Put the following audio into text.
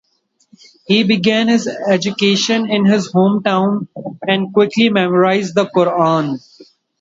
He began his education in his hometown and quickly memorized the Quran.